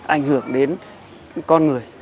ảnh hưởng đến con người